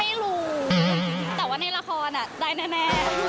ไม่รู้แต่ว่าในละครได้แน่